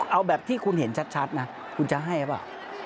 เอาแบบที่คุณเห็นชัดนะคุณจะให้หรือเปล่า